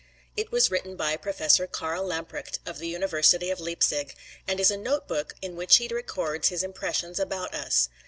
It was written by Professor Karl Lamprecht of the University of Leipzig, and is a note book in which he records his impressions about us.